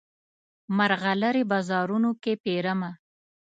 مرغلرې بازارونو کې پیرمه